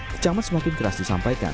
kecaman semakin keras disampaikan